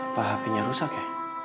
apa hp nya rusak ya